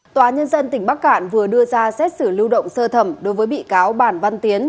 tòa nhân dân tỉnh bắc cạn vừa đưa ra xét xử lưu động sơ thẩm đối với bị cáo bản văn tiến